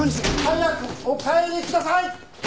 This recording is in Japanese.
早くお帰りください！